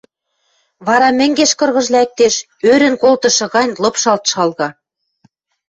Вара мӹнгеш кыргыж лӓктеш, ӧрӹн колтышы гань лыпшалт шалга.